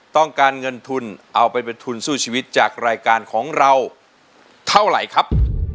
ต้องการเงินทุนเอาไปเป็นทุนสู้ชีวิตจากรายการของเราเท่าไหร่ครับ